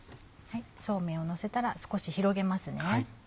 そうめんをのせたら少し広げます。